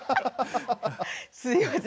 すみません